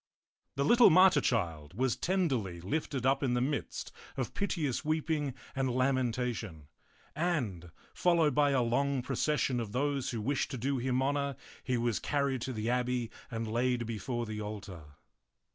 The little martyr child was tenderly lifted up in the midst of piteous weeping and lamentation, and, fol lowed by a long procession of those who wished to do him honor, he was carried to the abbey and laid before the altar.